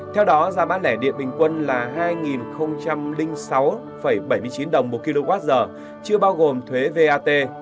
theo đó giá bán lẻ điện bình quân là hai sáu bảy mươi chín đồng một kwh chưa bao gồm thuế vat